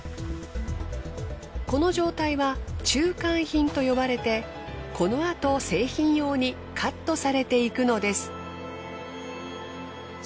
この状態は中間品と呼ばれてこのあと製品用にカットされていくのです。